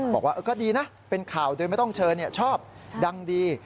บอกว่าก็ดีนะเป็นข่าวโดยไม่ต้องเชิญชอบดังดี